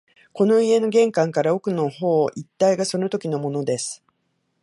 この家の玄関から奥の方一帯がそのときのものです